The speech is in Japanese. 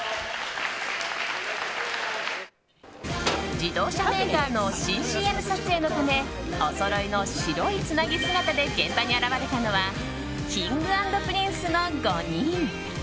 自動車メーカーの新ＣＭ撮影のためおそろいの白いつなぎ姿で現場に現れたのはＫｉｎｇ＆Ｐｒｉｎｃｅの５人。